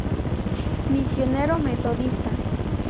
Misionero metodista.